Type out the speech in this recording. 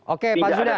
oke pak zudan